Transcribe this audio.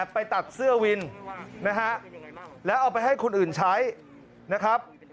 ไปตัดเสื้อวินนะฮะแล้วเอาไปให้คนอื่นใช้นะครับ